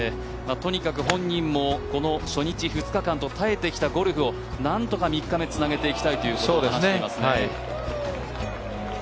とにかく本人も初日２日と耐えてきたゴルフをなんとか３日目につなげていきたいと話しています。